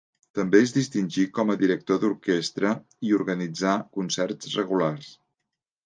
També es distingí coma director d'orquestra i organitzà concerts regulars.